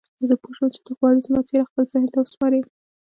زه پوه شوم چې ته غواړې زما څېره خپل ذهن ته وسپارې.